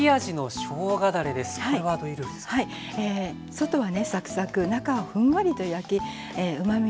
外はねサクサク中はふんわりと焼きうまみを引き出します。